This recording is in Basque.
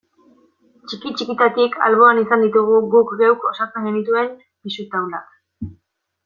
Txiki-txikitatik alboan izan ditugu guk geuk osatzen genituen pisu taulak.